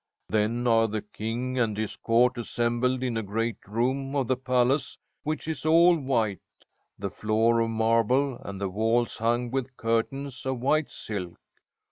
Then are the king and his court assembled in a great room of the palace, which is all white, the floor of marble and the walls hung with curtains of white silk.